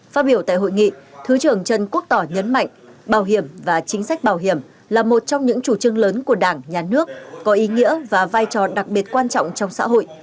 phát biểu tại hội nghị thứ trưởng trần quốc tỏ nhấn mạnh bảo hiểm và chính sách bảo hiểm là một trong những chủ trương lớn của đảng nhà nước có ý nghĩa và vai trò đặc biệt quan trọng trong xã hội